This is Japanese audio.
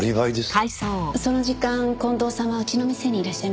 その時間近藤さんはうちの店にいらっしゃいました。